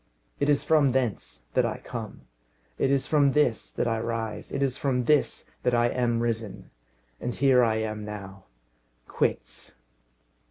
It is from thence that I come; it is from this that I rise; it is from this that I am risen. And here I am now. Quits!"